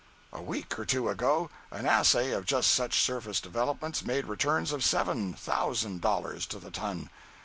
A week or two ago an assay of just such surface developments made returns of seven thousand dollars to the ton.